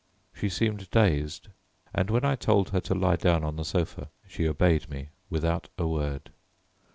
She seemed dazed, and when I told her to lie down on the sofa she obeyed me without a word.